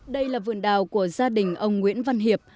đây là vườn đào của gia đình ông nguyễn văn hiệp